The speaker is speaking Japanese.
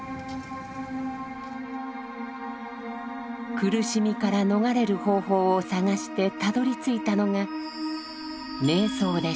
苦しみから逃れる方法を探してたどりついたのが「瞑想」でした。